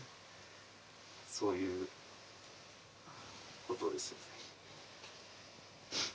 そういうことですね。